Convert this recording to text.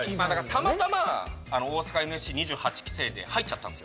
たまたま大阪ＮＳＣ２８期生で入っちゃったんです